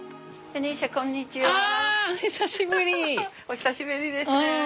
お久しぶりですね。